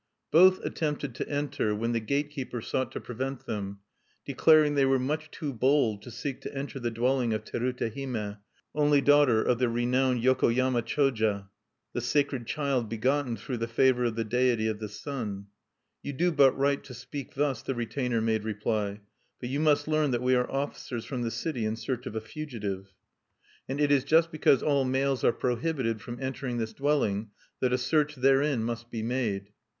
Both attempted to enter, when the gate keeper sought to prevent them; declaring they were much too bold to seek to enter the dwelling of Terute Hime, only daughter of the renowned Yokoyama Choja, the sacred child begotten through the favor of the deity of the Sun. "You do but right to speak thus," the retainer made reply. "But you must learn that we are officers from the city in search of a fugitive. "And it is just because all males are prohibited from entering this dwelling that a search therein must be made."